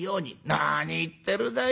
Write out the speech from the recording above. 「何言ってるだよ